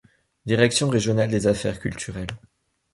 Direction régionale des Affaires culturelles.